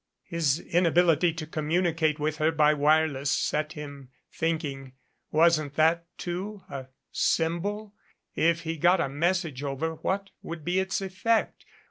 His inability to communicate with her by wire less set him thinking. Wasn't that, too, a symbol? If he got a message over what would be its effect?